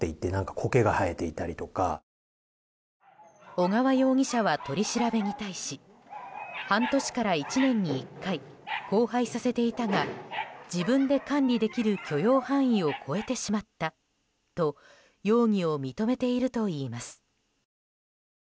尾川容疑者は取り調べに対し半年から１年に１回交配させていたが自分で管理できる許容範囲を超えてしまったと容疑を認めているといいます。